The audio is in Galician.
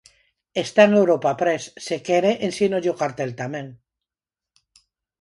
Está en Europa Press, se quere ensínolle o cartel tamén.